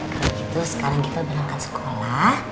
kalo gitu sekarang kita belomkan sekolah